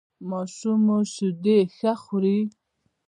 ماشوم مو شیدې ښه خوري؟